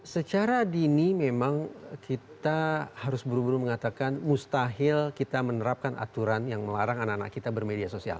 secara dini memang kita harus buru buru mengatakan mustahil kita menerapkan aturan yang melarang anak anak kita bermedia sosial